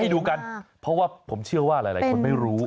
ดูกันเพราะว่าผมเชื่อว่าหลายคนไม่รู้